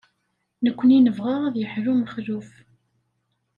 Nekkni nebɣa ad yeḥlu Mexluf.